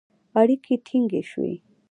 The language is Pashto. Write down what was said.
اړیکې ټینګې شوې